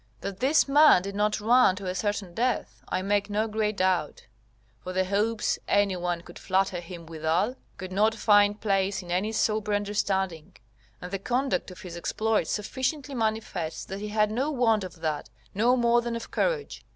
That this man did not run to a certain death, I make no great doubt; for the hopes any one could flatter him withal, could not find place in any sober understanding, and the conduct of his exploit sufficiently manifests that he had no want of that, no more than of courage.